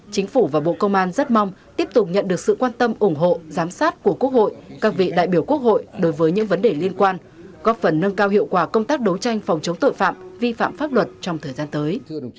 chính phủ và bộ công an rất mong tiếp tục nhận được sự quan tâm ủng hộ giám sát của quốc hội các vị đại biểu quốc hội đối với những vấn đề liên quan góp phần nâng cao hiệu quả công tác đấu tranh phòng chống tội phạm vi phạm pháp luật trong thời gian tới